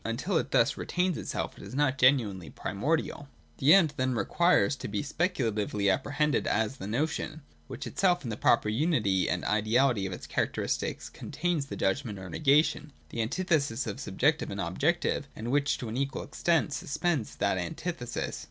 Until it thus retains itself, it is not genuinely primordial. — The End then requires to be specula tively apprehended as the notion, which itself in the 20 ).] TELEOLOGY. 345 proper unity and ideality of its characteristics contains the judgment or negation, — the antithesis of subjective and objective, — and which to an equal extent suspends that antithesis.